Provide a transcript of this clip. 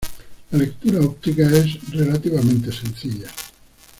La lectura óptica es relativamente sencilla.